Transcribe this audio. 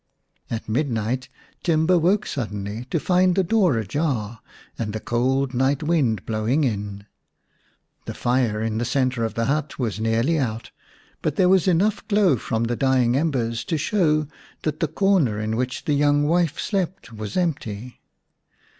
At midnight Timba woke suddenly to find the door ajar, and the cold night wind blowing in. The fire in the centre of the hut was nearly out, but there was enough glow from the dying embers to show that the corner in which the young wife slept was empty.